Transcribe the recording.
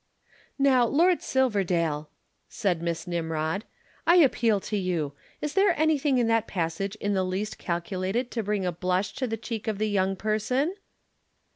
'" "Now, Lord Silverdale," said Miss Nimrod, "I appeal to you. Is there anything in that passage in the least calculated to bring a blush to the cheek of the young person?"